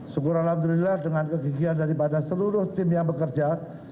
syukur allah dengan kegigilan daripada seluruh tim yang bekerja